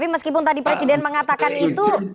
meskipun tadi presiden mengatakan itu